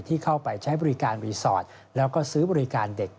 เข้าไปใช้บริการรีสอร์ทแล้วก็ซื้อบริการเด็ก